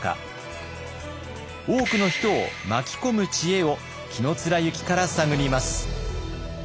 多くの人を巻き込む知恵を紀貫之から探ります。